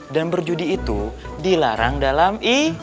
dan berjudi itu dilarang dalam